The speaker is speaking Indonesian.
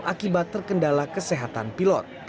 akibat terkendala kesehatan pilot